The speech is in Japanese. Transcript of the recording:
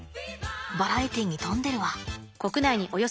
バラエティーに富んでるわ。